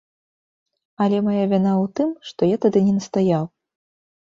Але мая віна ў тым, што я тады не настаяў.